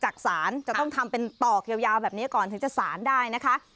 สารจะต้องทำเป็นต่อยาวแบบนี้ก่อนถึงจะสารได้นะคะ